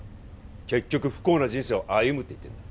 結局不幸な人生を歩むって言ってんだ